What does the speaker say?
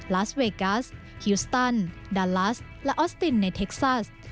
ลาสเวกัสฮิวสตันดาลัสและออสตินในเท็กซัส